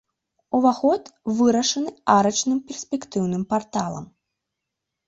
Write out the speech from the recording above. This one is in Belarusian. Уваход вырашаны арачным перспектыўным парталам.